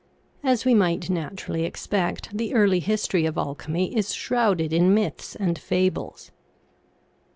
As we might naturally expect, the early history of alchemy is shrouded in myths and fables.